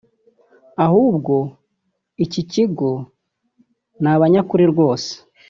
ahubwo iki kigo ni abanyakuri rwose